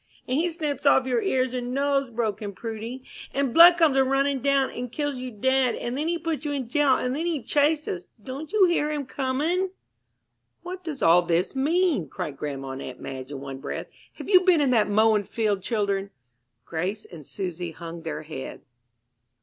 "And he snips off your ears and nose," broke in Prudy, "and blood comes a runnin' down, and he kills you dead, and then he puts you in jail, and then he chased us don't you hear him comin'?" "What does all this mean?" cried grandma and aunt Madge in one breath. "Have you been in that mowing field, children?" Grace and Susy hung their heads.